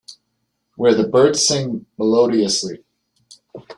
Where the birds sing melodiously.